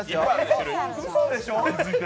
うそでしょ？